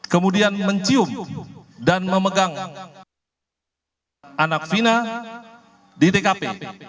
kemudian mencium dan memegang anak fina di tkp